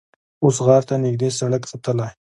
اوس غار ته نږدې سړک ختلی.